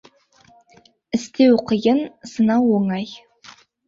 Істеу қиын, сынау оңай.